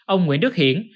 ông nguyễn đức hiển